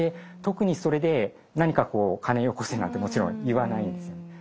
特にそれで何か金よこせなんてもちろん言わないんですよね。